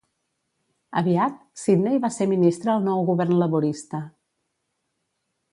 Aviat, Sidney va ser ministre al nou govern laborista.